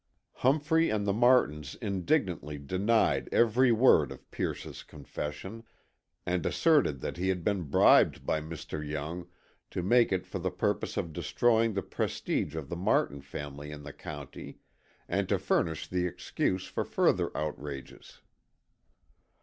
Humphrey and the Martins indignantly denied every word of Pierce's confession, and asserted that he had been bribed by Mr. Young to make it for the purpose of destroying the prestige of the Martin family in the county, and to furnish the excuse for further outrages.